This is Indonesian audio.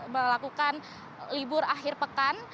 melakukan libur akhir pekan